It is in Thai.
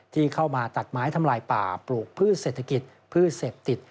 ที่เข้ามาตัดไม้ทำลายป่าปลูกพืชเศรษฐกิจพืชเสพติด